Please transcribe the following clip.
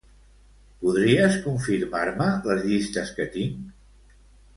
Podries confirmar-me les llistes que tinc?